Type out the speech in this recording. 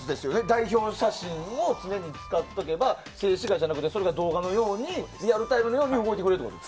代表写真を常に使っておけば静止画じゃなくて動画のようにリアルタイムで動いてくれると。